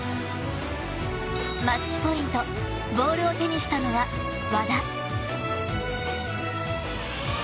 マッチポイントボールを手にしたのは和田。